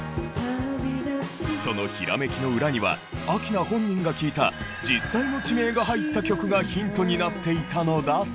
そのひらめきの裏には明菜本人が聴いた実際の地名が入った曲がヒントになっていたのだそう。